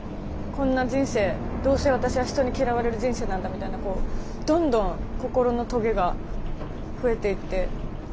こんな人生どうせ私は人に嫌われる人生なんだみたいなこうどんどん心のトゲが増えていって転がり坂みたいに。